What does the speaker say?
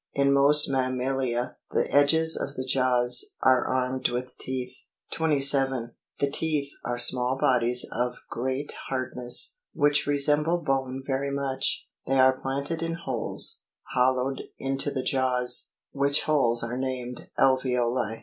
In most mammalia the edges of the jaws are armed with teeth. 27. The teeth are small bodies of m great hardness, which resemble bone very much; they are planted in holes, hollowed into the jaws, which holes are named alveoli.